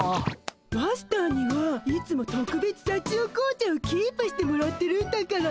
マスターにはいつもとくべつさちよ紅茶をキープしてもらってるんだから。